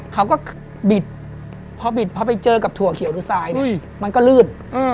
เขาก็บิดพอบิดพอไปเจอกับถั่วเขียวดูทรายเนี่ยมันก็ลืด